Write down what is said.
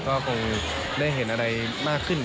ก็คงได้เห็นอะไรมากขึ้น